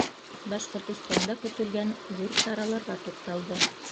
Башҡортостанда көтөлгән ҙур сараларға туҡталды.